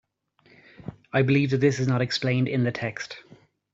I believe that this is not explained in the text.